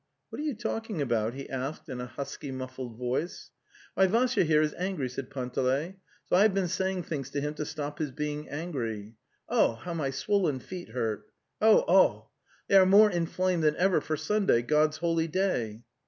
'What are you talking about?"' he asked in a husky muffled voice. | 'Why, Vassya here is angry,' said Panteley. "So I have been saying things to him to stop his being angry. ... Oh, how my swollen feet hurt! Oh, oh! They are more inflamed than ever for Sunday, God's holy day!"